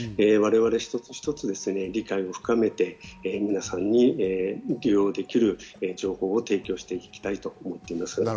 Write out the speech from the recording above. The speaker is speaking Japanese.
我々、一つ一つ理解を深めて皆さんに利用できる情報を提供していきたいと思っています。